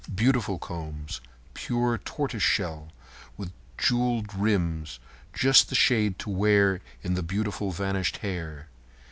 Beautiful combs, pure tortoise shell, with jewelled rims—just the shade to wear in the beautiful vanished hair.